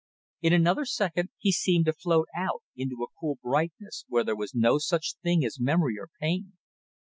In another second he seemed to float out into a cool brightness where there was no such thing as memory or pain.